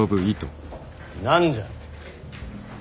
何じゃ。